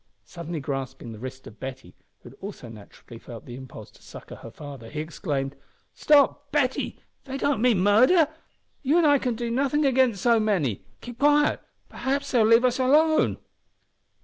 Suddenly grasping the wrist of Betty, who had also naturally felt the impulse to succour her father, he exclaimed "Stop! Betty. They don't mean murder. You an' I can do nothing against so many. Keep quiet; p'r'aps they'll leave us alone."